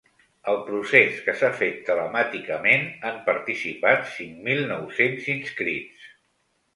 Al procés, que s’ha fet telemàticament, han participat cinc mil nou-cents inscrits.